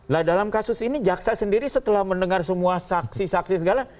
nah dalam kasus ini jaksa sendiri setelah mendengar semua saksi saksi segala